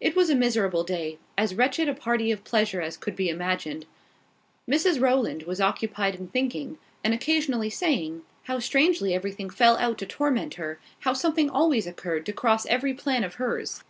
It was a miserable day, as wretched a party of pleasure as could be imagined. Mrs Rowland was occupied in thinking, and occasionally saying, how strangely everything fell out to torment her, how something always occurred to cross every plan of hers.